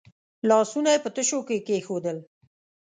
لاسونه یې په تشو کې کېښودل.